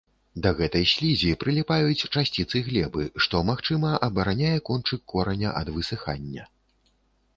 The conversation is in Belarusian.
Да гэтай слізі прыліпаюць часціцы глебы, што, магчыма, абараняе кончык кораня ад высыхання.